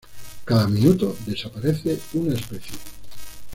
Cada minuto desaparece una especie.